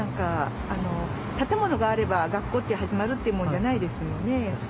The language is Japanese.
建物があれば学校って始まるってもんじゃないですよね。